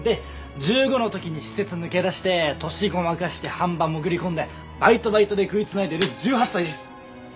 で１５の時に施設抜け出して年ごまかして飯場潜り込んでバイトバイトで食い繋いでる１８歳です！